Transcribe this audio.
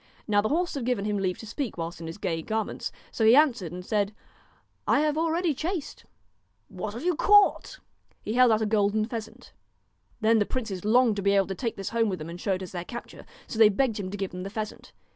Now the horse had given him leave to speak whilst in his gay garments, so he answered and said :' I have already chased.' * What have you caught ?' He held out a golden pheasant. Then the princes longed to be able to take this home with them and show it as their capture. So they begged him to give them the pheasant.